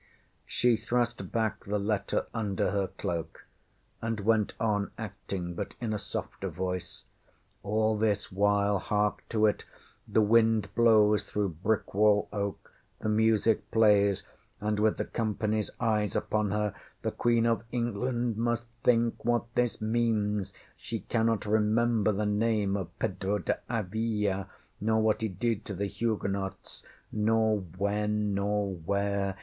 ŌĆÖ She thrust back the letter under her cloak, and went on acting, but in a softer voice. ŌĆśAll this while hark to it the wind blows through Brickwall Oak, the music plays, and, with the companyŌĆÖs eyes upon her, the Queen of England must think what this means. She cannot remember the name of Pedro de Avila, nor what he did to the Huguenots, nor when, nor where.